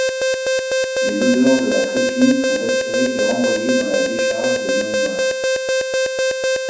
Les odeurs de la crépine sont aspirées et renvoyées dans la décharge de l’urinoir.